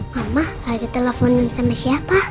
mama lagi teleponin sama siapa